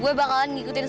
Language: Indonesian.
gue bakalan ngikutin dia